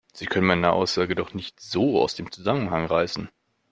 Sie können meine Aussage doch nicht so aus dem Zusammenhang reißen!